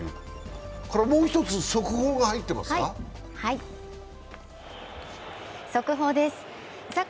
もう一つ速報が入ってますか？